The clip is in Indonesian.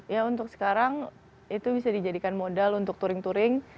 ya untuk sekarang itu bisa dijadikan modal untuk touring touring